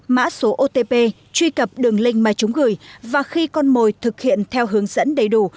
mã số otp truy cập đường link mà chúng gửi và khi con mồi thực hiện theo hướng dẫn đầy đủ